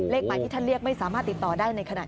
หมายที่ท่านเรียกไม่สามารถติดต่อได้ในขณะ